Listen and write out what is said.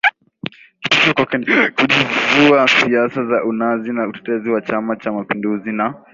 kitisho kwake ni kujivua siasa za unazi na utetezi wa Chama cha mapinduzi na